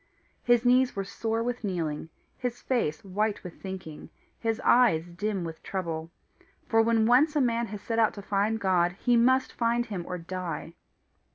His knees were sore with kneeling, his face white with thinking, his eyes dim with trouble; for when once a man has set out to find God, he must find him or die.